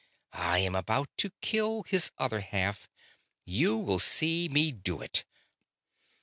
I am about to kill his other half you will see me do it.